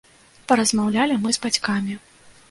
Паразмаўлялі мы з бацькамі.